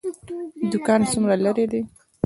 دکان څومره لرې دی؟